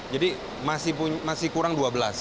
jadi masih kurang dua belas